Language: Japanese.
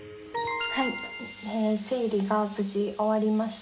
はい生理が無事終わりました。